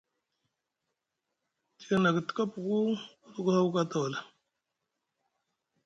Tiyana ku tika puku ku tuku haw ka tawala.